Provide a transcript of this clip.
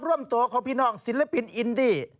ร่วมตัวของพี่น้องศิลปินอินดี้